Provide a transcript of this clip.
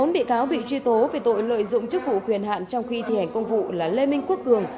bốn bị cáo bị truy tố về tội lợi dụng chức vụ quyền hạn trong khi thi hành công vụ là lê minh quốc cường